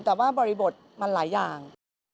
แต่ว่าบริบทมันหลายอย่าง